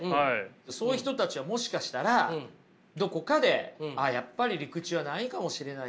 そういう人たちはもしかしたらどこかでああやっぱり陸地はないかもしれないって諦めたんじゃないか。